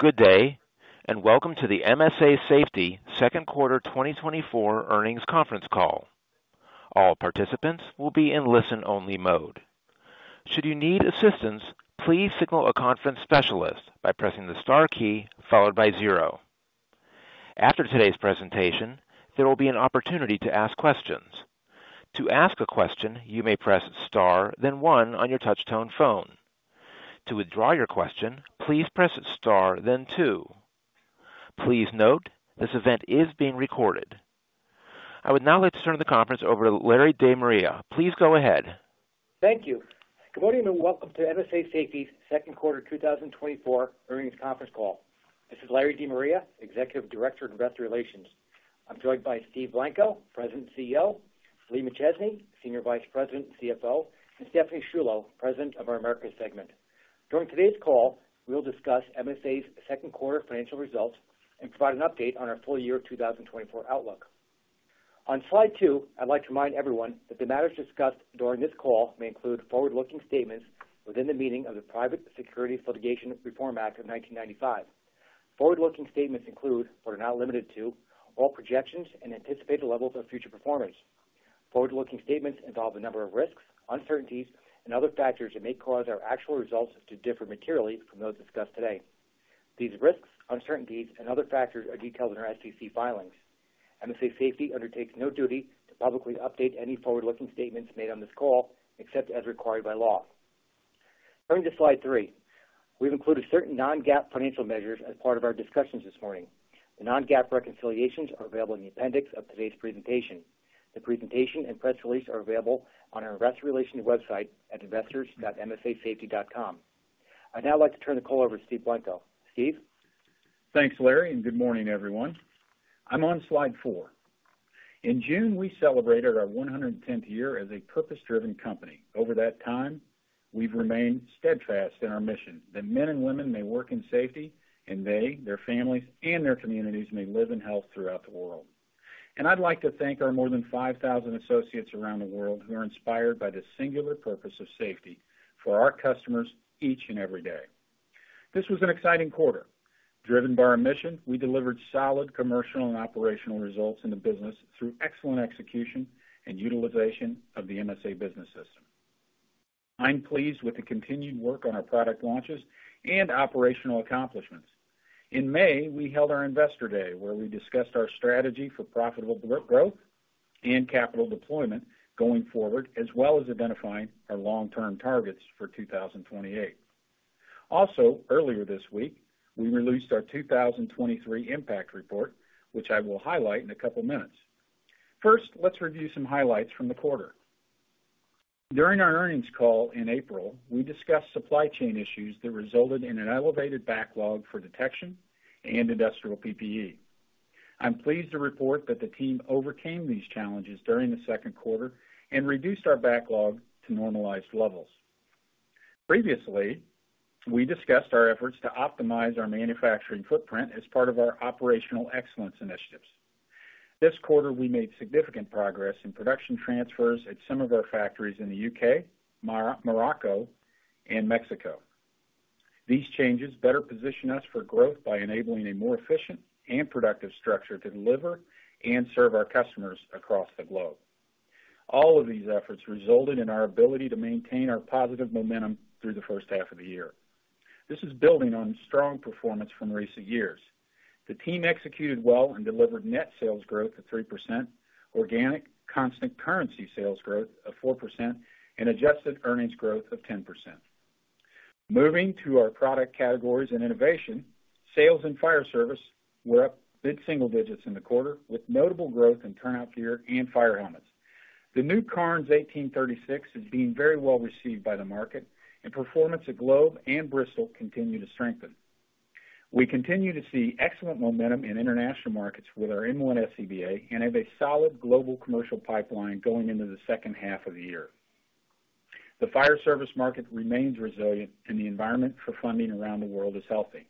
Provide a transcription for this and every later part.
Good day, and welcome to the MSA Safety second quarter 2024 earnings conference call. All participants will be in listen-only mode. Should you need assistance, please signal a conference specialist by pressing the star key followed by zero. After today's presentation, there will be an opportunity to ask questions. To ask a question, you may press star, then one on your touch-tone phone. To withdraw your question, please press star, then two. Please note, this event is being recorded. I would now like to turn the conference over to Larry De Maria. Please go ahead. Thank you. Good morning and welcome to MSA Safety's second quarter 2024 earnings conference call. This is Larry De Maria, Executive Director of Investor Relations. I'm joined by Steve Blanco, President and CEO, Lee McChesney, Senior Vice President and CFO, and Stephanie Sciullo, President of our Americas segment. During today's call, we'll discuss MSA's second quarter financial results and provide an update on our full year 2024 outlook. On slide two, I'd like to remind everyone that the matters discussed during this call may include forward-looking statements within the meaning of the Private Securities Litigation Reform Act of 1995. Forward-looking statements include, but are not limited to, all projections and anticipated levels of future performance. Forward-looking statements involve the number of risks, uncertainties, and other factors that may cause our actual results to differ materially from those discussed today. These risks, uncertainties, and other factors are detailed in our SEC filings. MSA Safety undertakes no duty to publicly update any forward-looking statements made on this call except as required by law. Turning to slide three, we've included certain non-GAAP financial measures as part of our discussions this morning. The non-GAAP reconciliations are available in the appendix of today's presentation. The presentation and press release are available on our Investor Relations website at investors.msasafety.com. I'd now like to turn the call over to Steve Blanco. Steve? Thanks, Larry, and good morning, everyone. I'm on slide four. In June, we celebrated our 110th year as a purpose-driven company. Over that time, we've remained steadfast in our mission that men and women may work in safety, and they, their families, and their communities may live in health throughout the world. And I'd like to thank our more than 5,000 associates around the world who are inspired by the singular purpose of safety for our customers each and every day. This was an exciting quarter. Driven by our mission, we delivered solid commercial and operational results in the business through excellent execution and utilization of the MSA Business System. I'm pleased with the continued work on our product launches and operational accomplishments. In May, we held our Investor Day, where we discussed our strategy for profitable growth and capital deployment going forward, as well as identifying our long-term targets for 2028. Also, earlier this week, we released our 2023 Impact Report, which I will highlight in a couple of minutes. First, let's review some highlights from the quarter. During our earnings call in April, we discussed supply chain issues that resulted in an elevated backlog for detection and industrial PPE. I'm pleased to report that the team overcame these challenges during the second quarter and reduced our backlog to normalized levels. Previously, we discussed our efforts to optimize our manufacturing footprint as part of our operational excellence initiatives. This quarter, we made significant progress in production transfers at some of our factories in the U.K., Morocco, and Mexico. These changes better position us for growth by enabling a more efficient and productive structure to deliver and serve our customers across the globe. All of these efforts resulted in our ability to maintain our positive momentum through the first half of the year. This is building on strong performance from recent years. The team executed well and delivered net sales growth of 3%, organic constant currency sales growth of 4%, and adjusted earnings growth of 10%. Moving to our product categories and innovation, sales and fire service were up mid-single digits in the quarter, with notable growth in turnout gear and fire helmets. The new Cairns 1836 has been very well received by the market, and performance at Globe and Bristol continue to strengthen. We continue to see excellent momentum in international markets with our M1 SCBA and have a solid global commercial pipeline going into the second half of the year. The fire service market remains resilient, and the environment for funding around the world is healthy.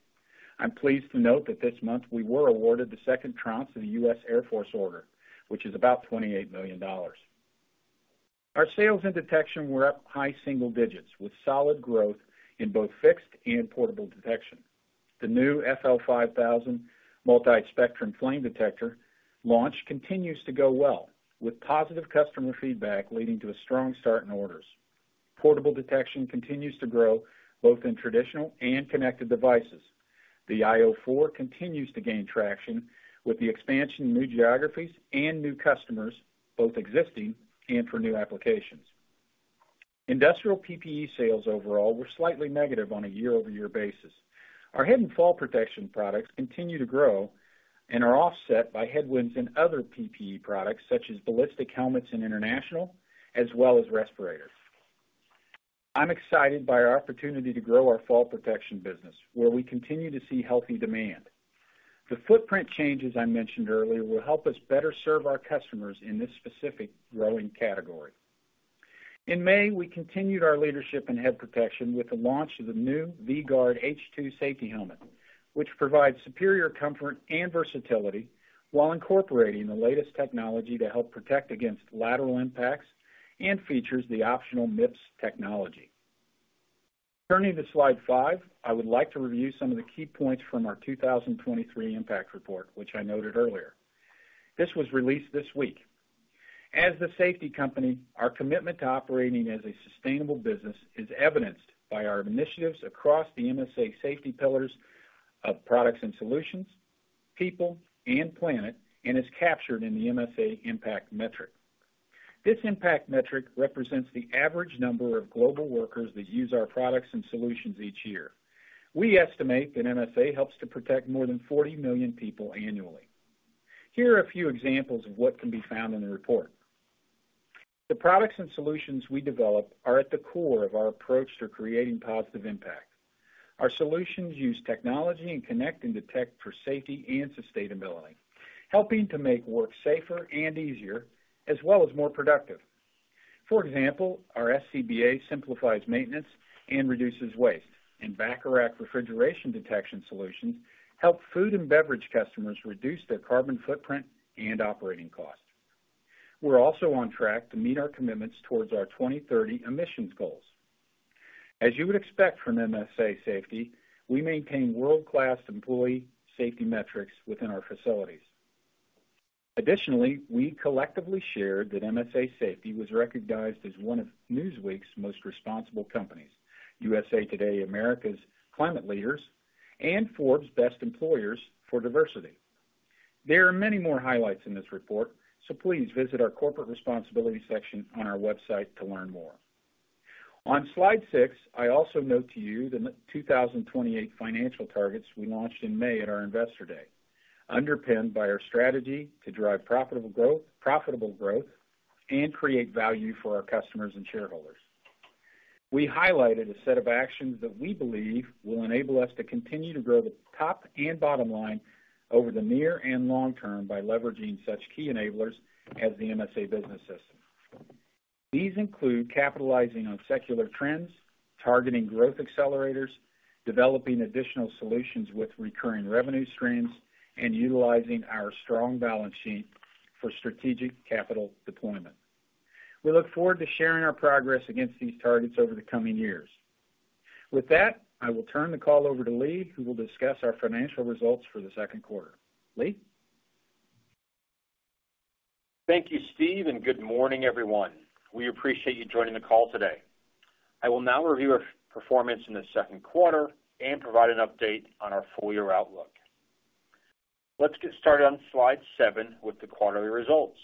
I'm pleased to note that this month we were awarded the second tranche of the U.S. Air Force order, which is about $28 million. Our sales and detection were up high single digits, with solid growth in both fixed and portable detection. The new FL5000 Multi-Spectrum flame detector launch continues to go well, with positive customer feedback leading to a strong start in orders. Portable detection continues to grow both in traditional and connected devices. The io4 continues to gain traction with the expansion of new geographies and new customers, both existing and for new applications. Industrial PPE sales overall were slightly negative on a year-over-year basis. Our head and fall protection products continue to grow and are offset by headwinds in other PPE products such as ballistic helmets and international, as well as respirators. I'm excited by our opportunity to grow our fall protection business, where we continue to see healthy demand. The footprint changes I mentioned earlier will help us better serve our customers in this specific growing category. In May, we continued our leadership in head protection with the launch of the new V-Gard H2 safety helmet, which provides superior comfort and versatility while incorporating the latest technology to help protect against lateral impacts and features the optional MIPS technology. Turning to slide five, I would like to review some of the key points from our 2023 Impact Report, which I noted earlier. This was released this week. As the safety company, our commitment to operating as a sustainable business is evidenced by our initiatives across the MSA Safety pillars of products and solutions, people, and planet, and is captured in the MSA Impact Metric. This impact metric represents the average number of global workers that use our products and solutions each year. We estimate that MSA helps to protect more than 40 million people annually. Here are a few examples of what can be found in the report. The products and solutions we develop are at the core of our approach to creating positive impact. Our solutions use technology and connect and detect for safety and sustainability, helping to make work safer and easier, as well as more productive. For example, our SCBA simplifies maintenance and reduces waste, and Bacharach refrigeration detection solutions help food and beverage customers reduce their carbon footprint and operating costs. We're also on track to meet our commitments towards our 2030 emissions goals. As you would expect from MSA Safety, we maintain world-class employee safety metrics within our facilities. Additionally, we collectively shared that MSA Safety was recognized as one of Newsweek's most responsible companies, USA Today America's climate leaders, and Forbes' best employers for diversity. There are many more highlights in this report, so please visit our corporate responsibility section on our website to learn more. On slide six, I also note to you the 2028 financial targets we launched in May at our Investor Day, underpinned by our strategy to drive profitable growth and create value for our customers and shareholders. We highlighted a set of actions that we believe will enable us to continue to grow the top and bottom line over the near and long term by leveraging such key enablers as the MSA Business System. These include capitalizing on secular trends, targeting growth accelerators, developing additional solutions with recurring revenue streams, and utilizing our strong balance sheet for strategic capital deployment. We look forward to sharing our progress against these targets over the coming years. With that, I will turn the call over to Lee, who will discuss our financial results for the second quarter. Lee? Thank you, Steve, and good morning, everyone. We appreciate you joining the call today. I will now review our performance in the second quarter and provide an update on our full year outlook. Let's get started on slide seven with the quarterly results.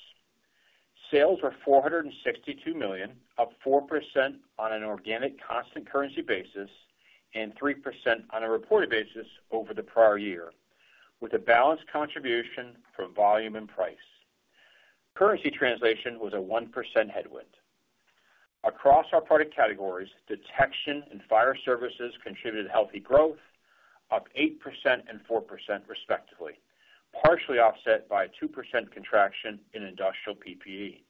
Sales were $462 million, up 4% on an organic constant currency basis and 3% on a reported basis over the prior year, with a balanced contribution from volume and price. Currency translation was a 1% headwind. Across our product categories, detection and fire services contributed healthy growth, up 8% and 4% respectively, partially offset by a 2% contraction in industrial PPE.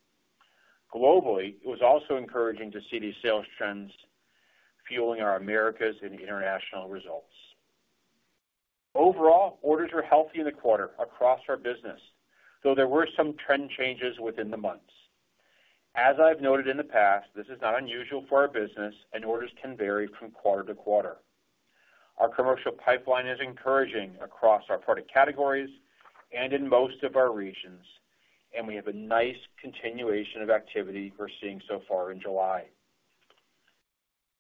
Globally, it was also encouraging to see these sales trends fueling our Americas and international results. Overall, orders were healthy in the quarter across our business, though there were some trend changes within the months. As I've noted in the past, this is not unusual for our business, and orders can vary from quarter to quarter. Our commercial pipeline is encouraging across our product categories and in most of our regions, and we have a nice continuation of activity we're seeing so far in July.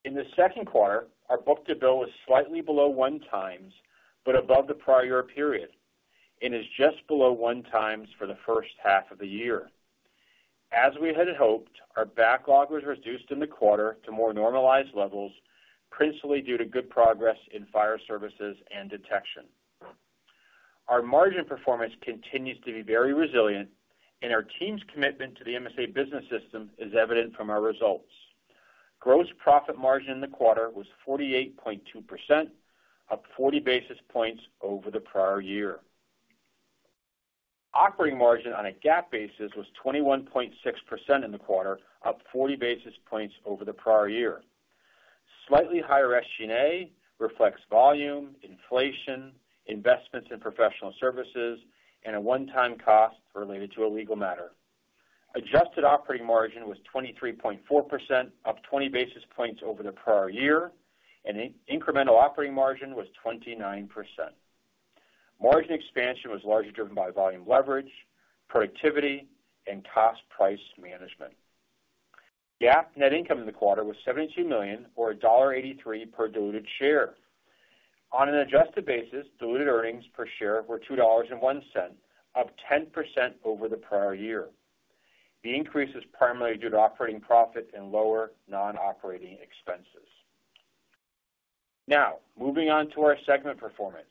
In the second quarter, our book-to-bill was slightly below 1x, but above the prior year period, and is just below 1x for the first half of the year. As we had hoped, our backlog was reduced in the quarter to more normalized levels, principally due to good progress in fire services and detection. Our margin performance continues to be very resilient, and our team's commitment to the MSA Business System is evident from our results. Gross profit margin in the quarter was 48.2%, up 40 basis points over the prior year. Operating margin on a GAAP basis was 21.6% in the quarter, up 40 basis points over the prior year. Slightly higher SG&A reflects volume, inflation, investments in professional services, and a one-time cost related to a legal matter. Adjusted operating margin was 23.4%, up 20 basis points over the prior year, and incremental operating margin was 29%. Margin expansion was largely driven by volume leverage, productivity, and cost-price management. GAAP net income in the quarter was $72 million, or $1.83 per diluted share. On an adjusted basis, diluted earnings per share were $2.01, up 10% over the prior year. The increase is primarily due to operating profit and lower non-operating expenses. Now, moving on to our segment performance.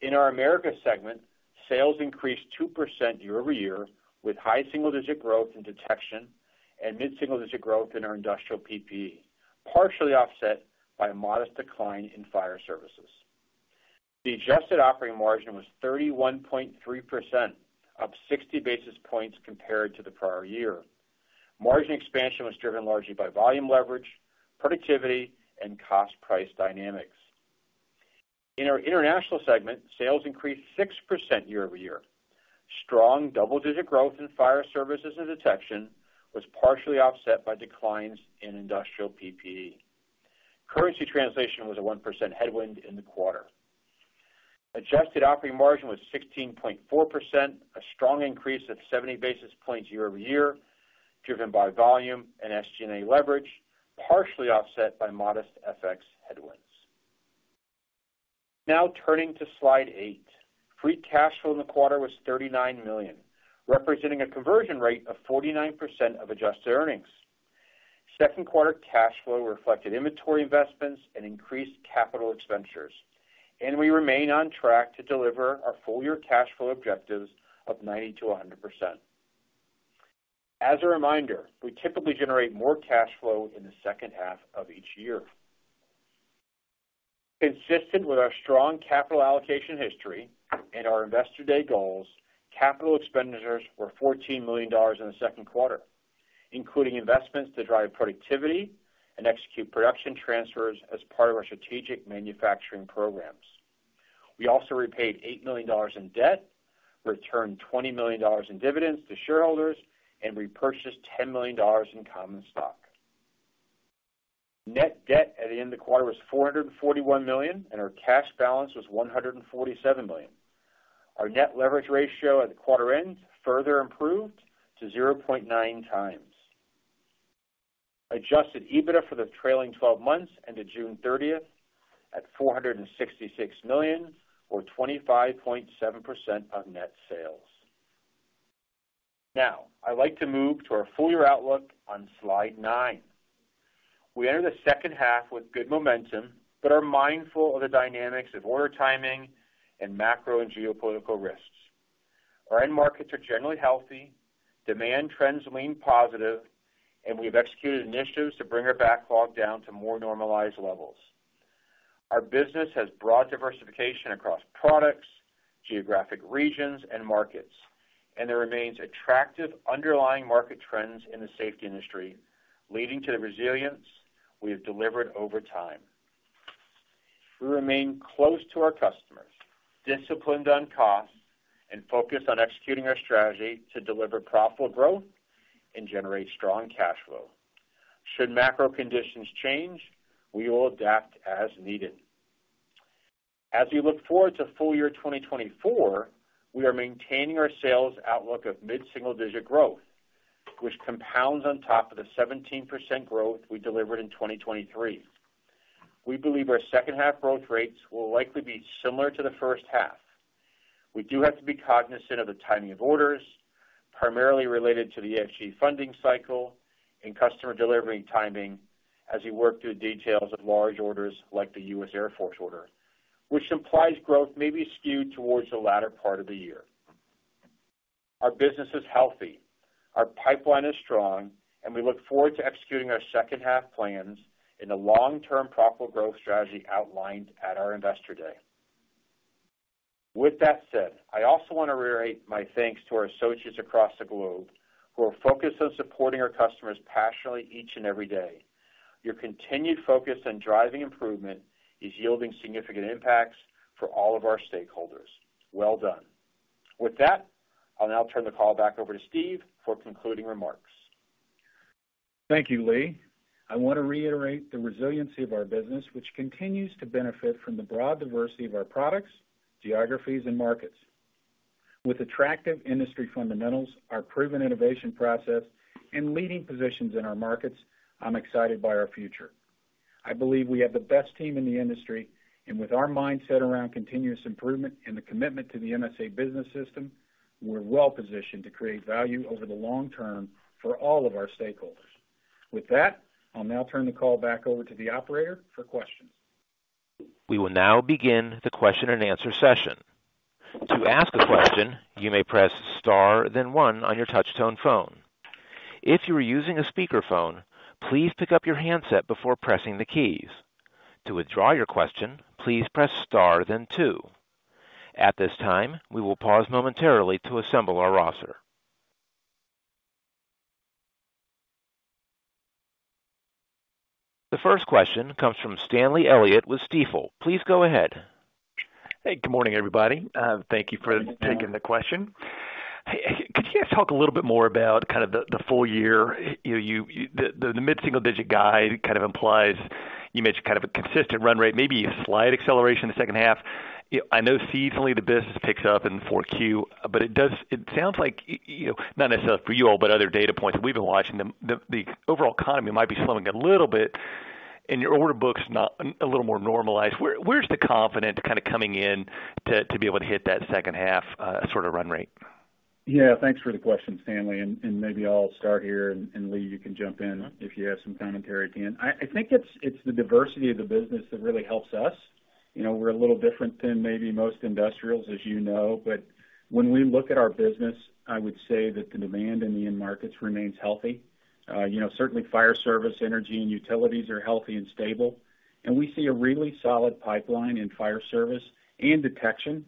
In our Americas segment, sales increased 2% year-over-year with high single-digit growth in detection and mid-single-digit growth in our industrial PPE, partially offset by a modest decline in fire services. The adjusted operating margin was 31.3%, up 60 basis points compared to the prior year. Margin expansion was driven largely by volume leverage, productivity, and cost-price dynamics. In our international segment, sales increased 6% year-over-year. Strong double-digit growth in fire services and detection was partially offset by declines in industrial PPE. Currency translation was a 1% headwind in the quarter. Adjusted operating margin was 16.4%, a strong increase of 70 basis points year-over-year, driven by volume and SG&A leverage, partially offset by modest FX headwinds. Now turning to slide eight, free cash flow in the quarter was $39 million, representing a conversion rate of 49% of adjusted earnings. Second quarter cash flow reflected inventory investments and increased capital expenditures, and we remain on track to deliver our full year cash flow objectives of 90%-100%. As a reminder, we typically generate more cash flow in the second half of each year. Consistent with our strong capital allocation history and our Investor Day goals, capital expenditures were $14 million in the second quarter, including investments to drive productivity and execute production transfers as part of our strategic manufacturing programs. We also repaid $8 million in debt, returned $20 million in dividends to shareholders, and repurchased $10 million in common stock. Net debt at the end of the quarter was $441 million, and our cash balance was $147 million. Our net leverage ratio at the quarter end further improved to 0.9x. Adjusted EBITDA for the trailing 12 months ended June 30th at $466 million, or 25.7% of net sales. Now, I'd like to move to our full year outlook on slide nine. We entered the second half with good momentum, but are mindful of the dynamics of order timing and macro and geopolitical risks. Our end markets are generally healthy, demand trends lean positive, and we've executed initiatives to bring our backlog down to more normalized levels. Our business has broad diversification across products, geographic regions, and markets, and there remains attractive underlying market trends in the safety industry, leading to the resilience we have delivered over time. We remain close to our customers, disciplined on costs, and focused on executing our strategy to deliver profitable growth and generate strong cash flow. Should macro conditions change, we will adapt as needed. As we look forward to full year 2024, we are maintaining our sales outlook of mid-single digit growth, which compounds on top of the 17% growth we delivered in 2023. We believe our second half growth rates will likely be similar to the first half. We do have to be cognizant of the timing of orders, primarily related to the AFG funding cycle and customer delivery timing as we work through the details of large orders like the U.S. Air Force order, which implies growth may be skewed towards the latter part of the year. Our business is healthy, our pipeline is strong, and we look forward to executing our second half plans in the long-term profitable growth strategy outlined at our Investor Day. With that said, I also want to reiterate my thanks to our associates across the globe who are focused on supporting our customers passionately each and every day. Your continued focus on driving improvement is yielding significant impacts for all of our stakeholders. Well done. With that, I'll now turn the call back over to Steve for concluding remarks. Thank you, Lee. I want to reiterate the resiliency of our business, which continues to benefit from the broad diversity of our products, geographies, and markets. With attractive industry fundamentals, our proven innovation process, and leading positions in our markets, I'm excited by our future. I believe we have the best team in the industry, and with our mindset around continuous improvement and the commitment to the MSA Business System, we're well positioned to create value over the long term for all of our stakeholders. With that, I'll now turn the call back over to the operator for questions. We will now begin the question and answer session. To ask a question, you may press star, then one on your touch-tone phone. If you are using a speakerphone, please pick up your handset before pressing the keys. To withdraw your question, please press star, then two. At this time, we will pause momentarily to assemble our roster. The first question comes from Stanley Elliott with Stifel. Please go ahead. Hey, good morning, everybody. Thank you for taking the question. Could you guys talk a little bit more about kind of the full year? The mid-single digit guide kind of implies you mentioned kind of a consistent run rate, maybe a slight acceleration in the second half. I know seasonally the business picks up in the 4Q, but it sounds like, not necessarily for you all, but other data points that we've been watching, the overall economy might be slowing a little bit, and your order book's not a little more normalized. Where's the confidence kind of coming in to be able to hit that second half sort of run rate? Yeah, thanks for the question, Stanley. Maybe I'll start here, and Lee, you can jump in if you have some commentary at the end. I think it's the diversity of the business that really helps us. We're a little different than maybe most industrials, as you know, but when we look at our business, I would say that the demand in the end markets remains healthy. Certainly, fire service, energy, and utilities are healthy and stable. We see a really solid pipeline in fire service and detection.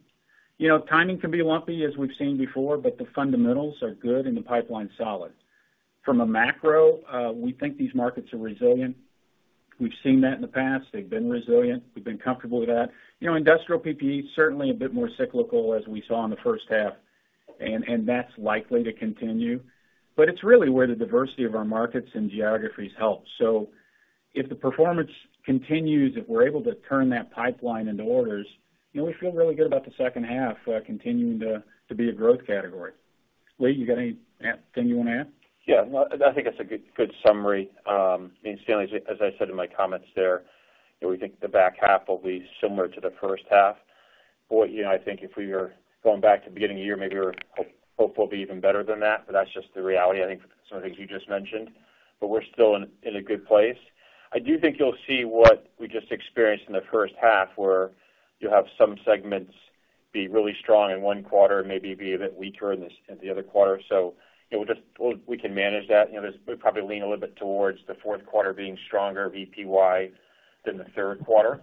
Timing can be lumpy, as we've seen before, but the fundamentals are good and the pipeline's solid. From a macro, we think these markets are resilient. We've seen that in the past. They've been resilient. We've been comfortable with that. Industrial PPE, certainly a bit more cyclical, as we saw in the first half, and that's likely to continue. It's really where the diversity of our markets and geographies helps. If the performance continues, if we're able to turn that pipeline into orders, we feel really good about the second half continuing to be a growth category. Lee, you got anything you want to add? Yeah, I think that's a good summary. Stanley, as I said in my comments there, we think the back half will be similar to the first half. I think if we were going back to the beginning of the year, maybe our hope will be even better than that, but that's just the reality. I think some of the things you just mentioned, but we're still in a good place. I do think you'll see what we just experienced in the first half, where you'll have some segments be really strong in one quarter, maybe be a bit weaker in the other quarter. So we can manage that. We probably lean a little bit towards the fourth quarter being stronger VPY than the third quarter.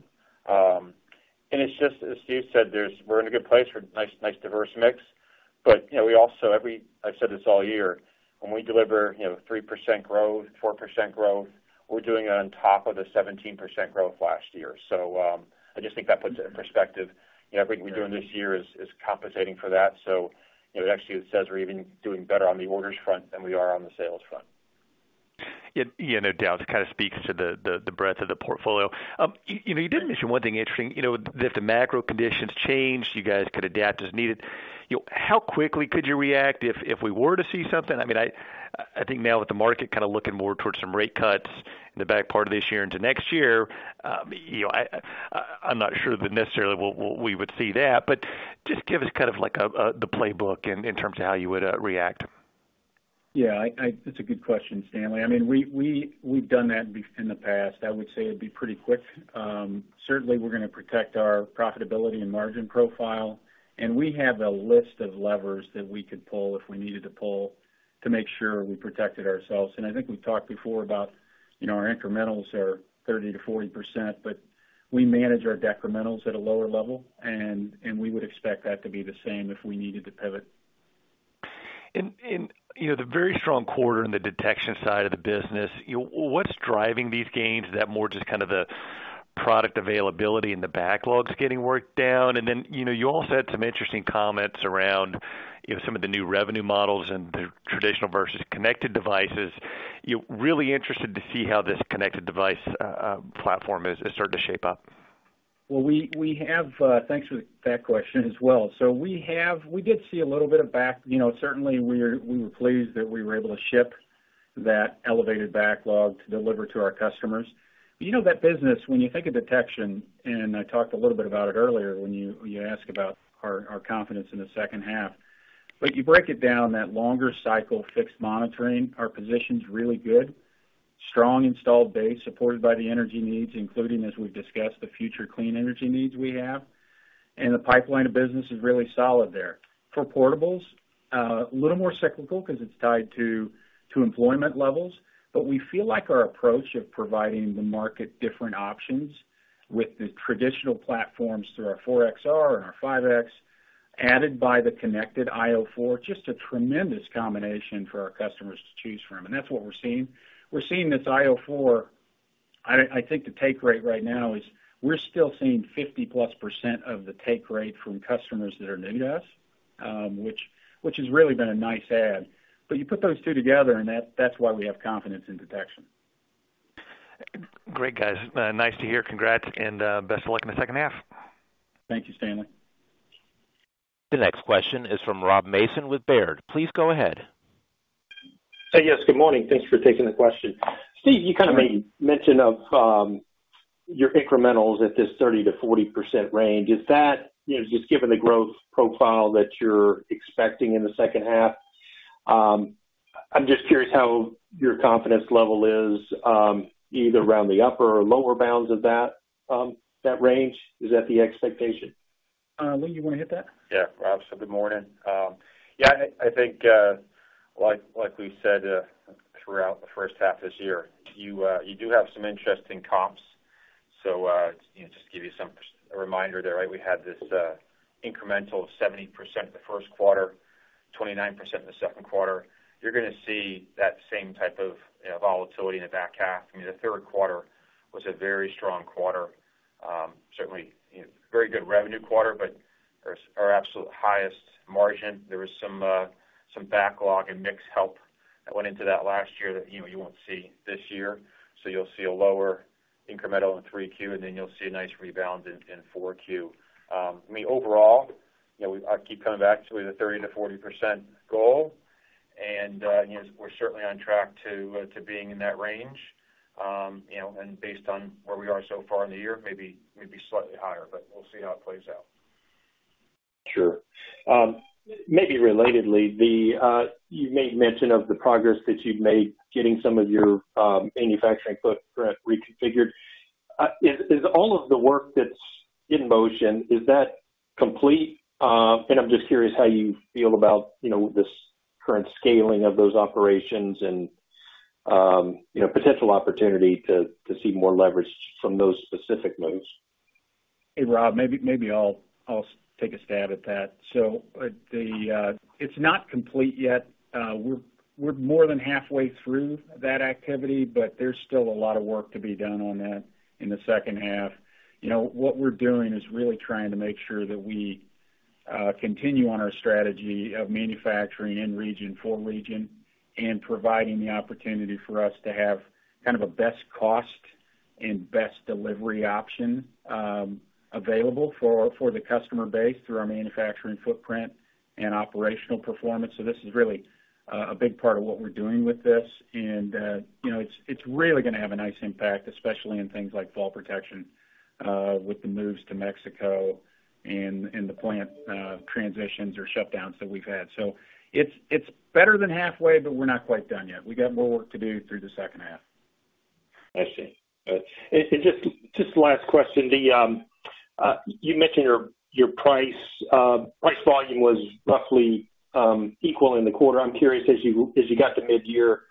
And it's just, as Steve said, we're in a good place. We're a nice diverse mix. But we also, I've said this all year, when we deliver 3% growth, 4% growth, we're doing it on top of the 17% growth last year. So I just think that puts it in perspective. Everything we're doing this year is compensating for that. So it actually says we're even doing better on the orders front than we are on the sales front. Yeah, no doubt. It kind of speaks to the breadth of the portfolio. You did mention one thing interesting. If the macro conditions change, you guys could adapt as needed. How quickly could you react if we were to see something? I mean, I think now with the market kind of looking more towards some rate cuts in the back part of this year into next year, I'm not sure that necessarily we would see that. But just give us kind of like the playbook in terms of how you would react. Yeah, it's a good question, Stanley. I mean, we've done that in the past. I would say it'd be pretty quick. Certainly, we're going to protect our profitability and margin profile. We have a list of levers that we could pull if we needed to pull to make sure we protected ourselves. I think we've talked before about our incrementals are 30%-40%, but we manage our decrementals at a lower level, and we would expect that to be the same if we needed to pivot. The very strong quarter in the detection side of the business, what's driving these gains? Is that more just kind of the product availability and the backlogs getting worked down? Then you all said some interesting comments around some of the new revenue models and the traditional versus connected devices. Really interested to see how this connected device platform is starting to shape up. Well, thanks for that question as well. So we did see a little bit of back. Certainly, we were pleased that we were able to ship that elevated backlog to deliver to our customers. You know that business, when you think of detection, and I talked a little bit about it earlier when you asked about our confidence in the second half. But you break it down, that longer cycle fixed monitoring, our position's really good, strong installed base, supported by the energy needs, including, as we've discussed, the future clean energy needs we have. And the pipeline of business is really solid there. For portables, a little more cyclical because it's tied to employment levels. But we feel like our approach of providing the market different options with the traditional platforms through our 4XR and our 5X, added by the connected io4, just a tremendous combination for our customers to choose from. That's what we're seeing. We're seeing this io4. I think the take rate right now is we're still seeing +50% of the take rate from customers that are new to us, which has really been a nice add. But you put those two together, and that's why we have confidence in detection. Great, guys. Nice to hear. Congrats and best of luck in the second half. Thank you, Stanley. The next question is from Rob Mason with Baird. Please go ahead. Hey, yes, good morning. Thanks for taking the question. Steve, you kind of made mention of your incrementals at this 30%-40% range. Is that just given the growth profile that you're expecting in the second half? I'm just curious how your confidence level is, either around the upper or lower bounds of that range. Is that the expectation? Lee, you want to hit that? Yeah, Rob, so good morning. Yeah, I think, like we said throughout the first half of this year, you do have some interesting comps. So just to give you a reminder there, right, we had this incremental of 70% in the first quarter, 29% in the second quarter. You're going to see that same type of volatility in the back half. I mean, the third quarter was a very strong quarter. Certainly, very good revenue quarter, but our absolute highest margin. There was some backlog and mixed help that went into that last year that you won't see this year. So you'll see a lower incremental in 3Q, and then you'll see a nice rebound in 4Q. I mean, overall, I keep coming back to the 30%-40% goal. And we're certainly on track to being in that range. Based on where we are so far in the year, maybe slightly higher, but we'll see how it plays out. Sure. Maybe relatedly, you made mention of the progress that you've made getting some of your manufacturing footprint reconfigured. Is all of the work that's in motion, is that complete? And I'm just curious how you feel about this current scaling of those operations and potential opportunity to see more leverage from those specific moves. Hey, Rob, maybe I'll take a stab at that. So it's not complete yet. We're more than halfway through that activity, but there's still a lot of work to be done on that in the second half. What we're doing is really trying to make sure that we continue on our strategy of manufacturing in region for region and providing the opportunity for us to have kind of a best cost and best delivery option available for the customer base through our manufacturing footprint and operational performance. So this is really a big part of what we're doing with this. And it's really going to have a nice impact, especially in things like fall protection with the moves to Mexico and the plant transitions or shutdowns that we've had. So it's better than halfway, but we're not quite done yet. We've got more work to do through the second half. I see. Just the last question. You mentioned your price volume was roughly equal in the quarter. I'm curious, as you got to mid-year,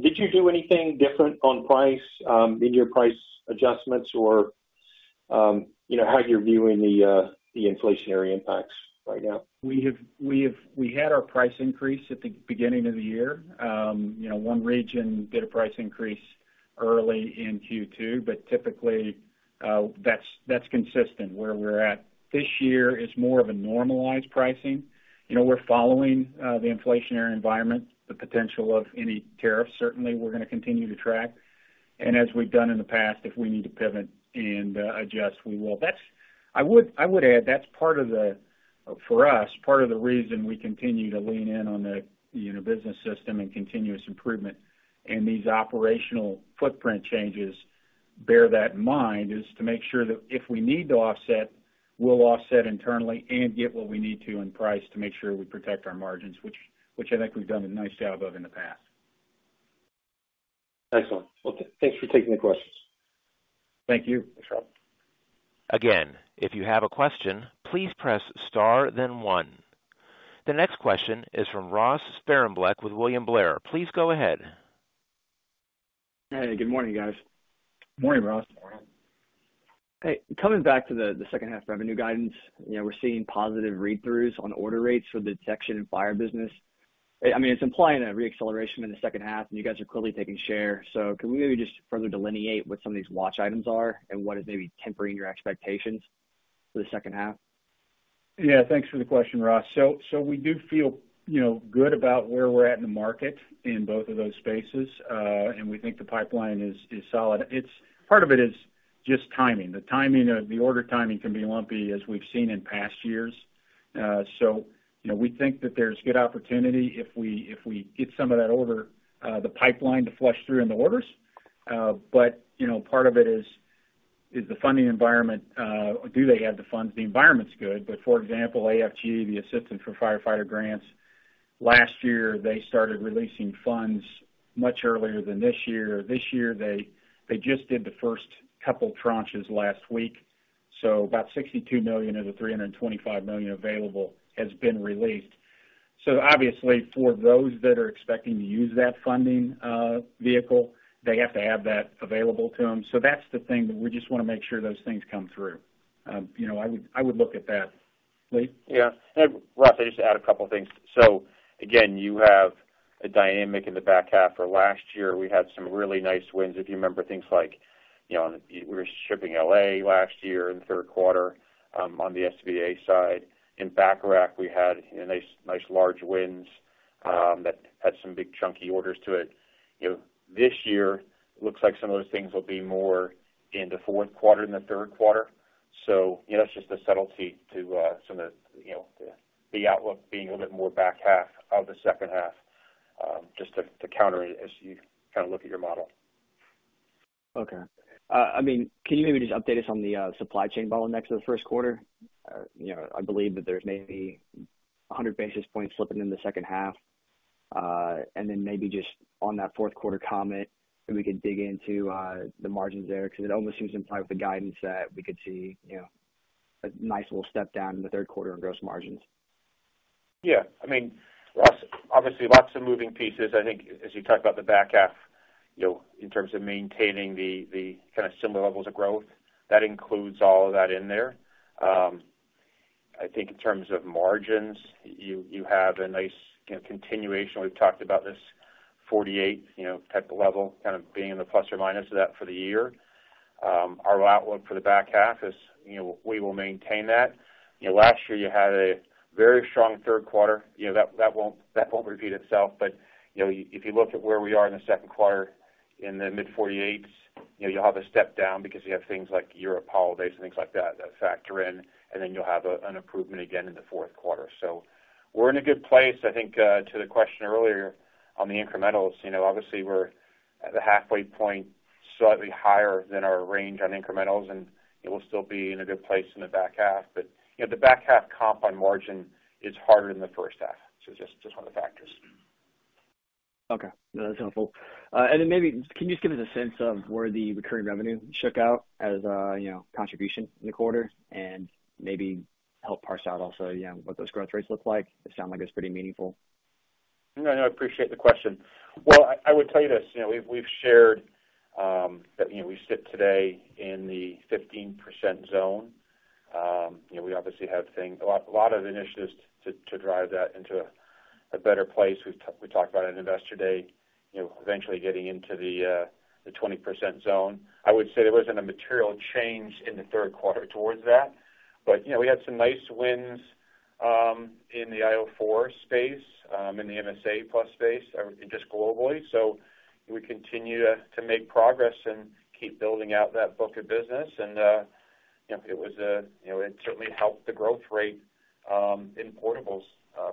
did you do anything different on price in your price adjustments or how you're viewing the inflationary impacts right now? We had our price increase at the beginning of the year. One region did a price increase early in Q2, but typically that's consistent where we're at. This year is more of a normalized pricing. We're following the inflationary environment, the potential of any tariffs. Certainly, we're going to continue to track. And as we've done in the past, if we need to pivot and adjust, we will. I would add that's part of the, for us, part of the reason we continue to lean in on the business system and continuous improvement. And these operational footprint changes, bear that in mind, is to make sure that if we need to offset, we'll offset internally and get what we need to in price to make sure we protect our margins, which I think we've done a nice job of in the past. Excellent. Well, thanks for taking the questions. Thank you. Thanks, Rob. Again, if you have a question, please press star, then one. The next question is from Ross Sparenblek with William Blair. Please go ahead. Hey, good morning, guys. Morning, Ross. Morning. Hey, coming back to the second half revenue guidance, we're seeing positive read-throughs on order rates for the detection and fire business. I mean, it's implying a reacceleration in the second half, and you guys are clearly taking share. So can we maybe just further delineate what some of these watch items are and what is maybe tempering your expectations for the second half? Yeah, thanks for the question, Ross. So we do feel good about where we're at in the market in both of those spaces. And we think the pipeline is solid. Part of it is just timing. The order timing can be lumpy, as we've seen in past years. So we think that there's good opportunity if we get some of that order, the pipeline to flush through in the orders. But part of it is the funding environment. Do they have the funds? The environment's good. But for example, AFG, the Assistance to Firefighters Grants, last year, they started releasing funds much earlier than this year. This year, they just did the first couple tranches last week. So about $62 million of the $325 million available has been released. So obviously, for those that are expecting to use that funding vehicle, they have to have that available to them. So that's the thing that we just want to make sure those things come through. I would look at that. Lee? Yeah. Ross, I'll just add a couple of things. So again, you have a dynamic in the back half for last year. We had some really nice wins. If you remember things like we were shipping LA last year in the third quarter on the SCBA side. In backlog, we had nice large wins that had some big chunky orders to it. This year, it looks like some of those things will be more in the fourth quarter than the third quarter. So that's just a subtlety to some of the outlook being a little bit more back half of the second half just to counter it as you kind of look at your model. Okay. I mean, can you maybe just update us on the supply chain bottlenecks of the first quarter? I believe that there's maybe 100 basis points slipping in the second half. And then maybe just on that fourth quarter comment, we could dig into the margins there because it almost seems implied with the guidance that we could see a nice little step down in the third quarter in gross margins. Yeah. I mean, obviously, lots of moving pieces. I think, as you talked about the back half, in terms of maintaining the kind of similar levels of growth, that includes all of that in there. I think in terms of margins, you have a nice continuation. We've talked about this 48 type of level kind of being in the plus or minus of that for the year. Our outlook for the back half is we will maintain that. Last year, you had a very strong third quarter. That won't repeat itself. But if you look at where we are in the second quarter in the mid-48s, you'll have a step down because you have things like Europe holidays and things like that that factor in. And then you'll have an improvement again in the fourth quarter. So we're in a good place. I think to the question earlier on the incrementals, obviously, we're at the halfway point slightly higher than our range on incrementals. It will still be in a good place in the back half. The back half comp on margin is harder than the first half. It's just one of the factors. Okay. No, that's helpful. And then maybe can you just give us a sense of where the recurring revenue shook out as a contribution in the quarter and maybe help parse out also what those growth rates look like? It sounds like it's pretty meaningful. No, I appreciate the question. Well, I would tell you this. We've shared that we sit today in the 15% zone. We obviously have a lot of initiatives to drive that into a better place. We talked about it on Investor Day, eventually getting into the 20% zone. I would say there wasn't a material change in the third quarter towards that. But we had some nice wins in the io4 space, in the MSA+ space, just globally. So we continue to make progress and keep building out that book of business. And it certainly helped the growth rate in portables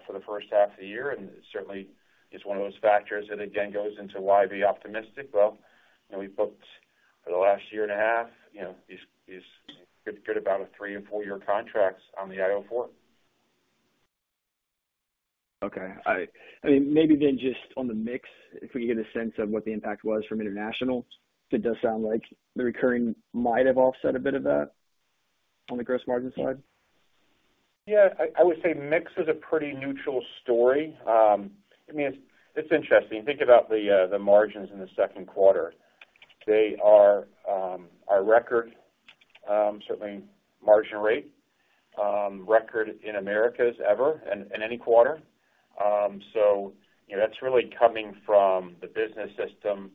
for the first half of the year. And it certainly is one of those factors that, again, goes into why we're optimistic. Well, we booked for the last year and a half these good about 3 and 4 year contracts on the io4. Okay. I mean, maybe then just on the mix, if we can get a sense of what the impact was from international, if it does sound like the recurring might have offset a bit of that on the gross margin side? Yeah. I would say mix is a pretty neutral story. I mean, it's interesting. Think about the margins in the second quarter. They are our record, certainly margin rate, record in Americas ever in any quarter. So that's really coming from the business system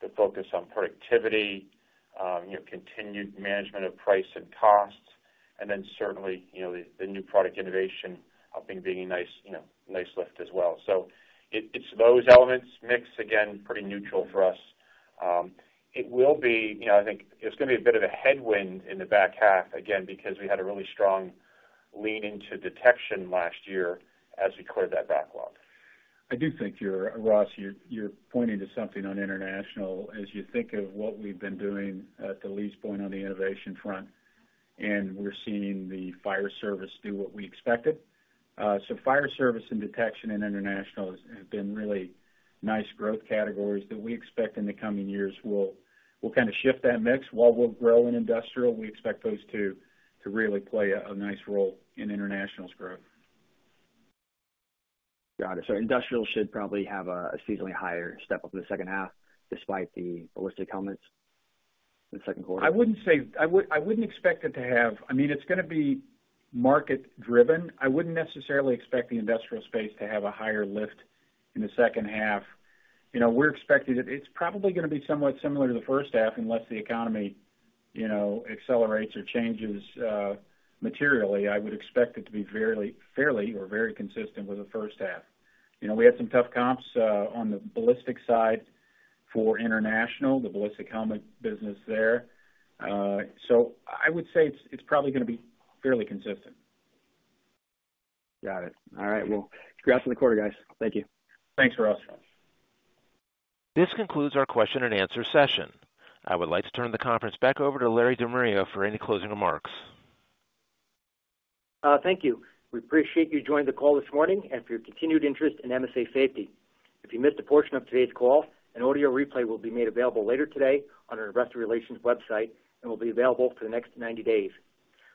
to focus on productivity, continued management of price and costs, and then certainly the new product innovation being a nice lift as well. So it's those elements mixed, again, pretty neutral for us. It will be, I think, it's going to be a bit of a headwind in the back half, again, because we had a really strong lean into detection last year as we cleared that backlog. I do think, Ross, you're pointing to something on international as you think of what we've been doing at the leading point on the innovation front. And we're seeing the fire service do what we expected. So fire service and detection and international have been really nice growth categories that we expect in the coming years will kind of shift that mix. While we'll grow in industrial, we expect those to really play a nice role in international's growth. Got it. So industrial should probably have a seasonally higher step up in the second half despite the ballistic elements in the second quarter. I wouldn't say I wouldn't expect it to have. I mean, it's going to be market-driven. I wouldn't necessarily expect the industrial space to have a higher lift in the second half. We're expecting it. It's probably going to be somewhat similar to the first half unless the economy accelerates or changes materially. I would expect it to be fairly or very consistent with the first half. We had some tough comps on the ballistic side for international, the ballistic helmet business there. So I would say it's probably going to be fairly consistent. Got it. All right. Well, congrats on the quarter, guys. Thank you. Thanks, Ross. This concludes our question and answer session. I would like to turn the conference back over to Larry De Maria for any closing remarks. Thank you. We appreciate you joining the call this morning and for your continued interest in MSA Safety. If you missed a portion of today's call, an audio replay will be made available later today on our Investor Relations website and will be available for the next 90 days.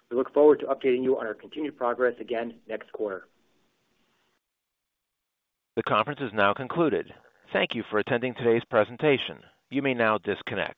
We look forward to updating you on our continued progress again next quarter. The conference is now concluded. Thank you for attending today's presentation. You may now disconnect.